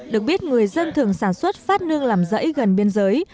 được biết người dân thường sản xuất phát nương làm rẫy gần biên giới